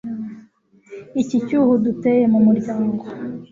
iki cyuho uduteye mu muryango